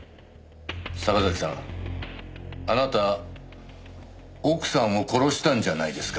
坂崎さんあなた奥さんを殺したんじゃないですか？